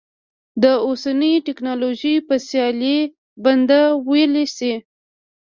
د اوسنیو ټکنالوژیو په سیالۍ بنده ویلی شي.